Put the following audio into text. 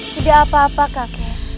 tidak apa apa kakek